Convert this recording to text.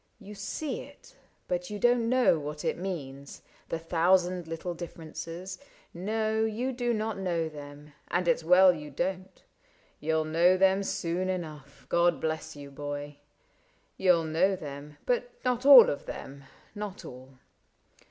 You see it, but you don't know what it means : The thousand little differences — no. You do not know them, and it 'S well you don't ; You'll know them soon enough — God bless you, boy !— You'll know them, but not all of them — not all.